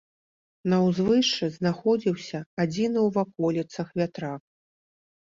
На ўзвышшы знаходзіўся адзіны ў ваколіцах вятрак.